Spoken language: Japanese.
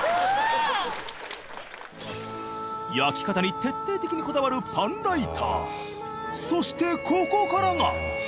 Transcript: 焼き方に徹底的にこだわるそしてここからが！